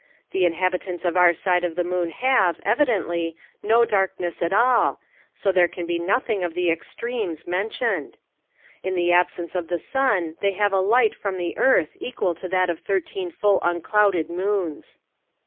The inhabitants of our side of the moon have, evidently, no darkness at all, so there can be nothing of the "extremes" mentioned. In the absence of the sun they have a light from the earth equal to that of thirteen full unclouded moons.